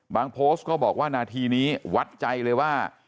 โพสต์ก็บอกว่านาทีนี้วัดใจเลยว่า